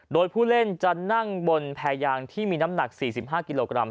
โดยผู้เล่นจะนั่งบนแพรยางที่มีน้ำหนัก๔๕กิโลกรัม